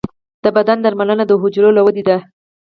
د بدن درملنه د حجرو له ودې ده.